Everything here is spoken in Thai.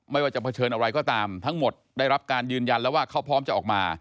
ไม่ว่าจะเผชิญอะไรก็ตามทั้งหมดได้รับการยืนยันแล้วว่าเขาพร้อมจะออกมา